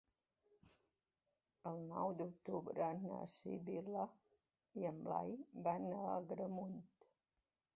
El nou d'octubre na Sibil·la i en Blai van a Agramunt.